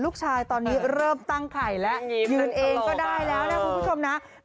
ลูกชายตอนนี้เริ่มตั้งไข่แล้วยืนเองก็ได้แล้วนะคุณผู้ชมนะ